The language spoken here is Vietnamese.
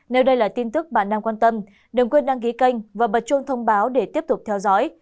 nếu đây là tin tức bạn đang quan tâm đừng quên đăng ký kênh và bật trôn thông báo để tiếp tục theo dõi